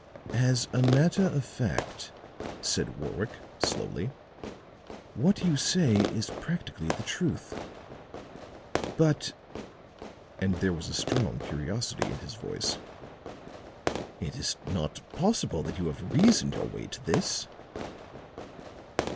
"As a matter of fact," said Warwick, slowly, "what you say is practically the truth. But," and there was a strong curiosity in his voice, "it is not possible that you have reasoned your way to this."